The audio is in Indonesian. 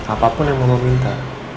apapun yang mama minta